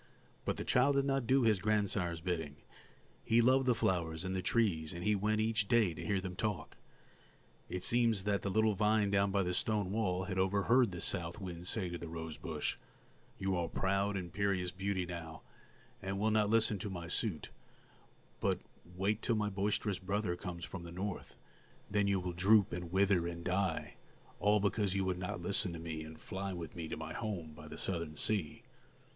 But the child did not do his grandsire's bidding; he loved the flowers and the trees, and he went each day to hear them talk. It seems that the little vine down by the stone wall had overheard the south wind say to the rose bush: "You are a proud, imperious beauty now, and will not listen to my suit; but wait till my boisterous brother comes from the North, then you will droop and wither and die, all because you would not listen to me and fly with me to my home by the Southern sea."